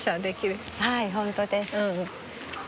はい本当です。